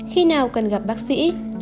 khi nào cần gặp bác sĩ